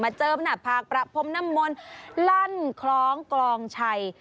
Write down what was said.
เจิมหน้าผากประพรมน้ำมนต์ลั่นคล้องกลองชัย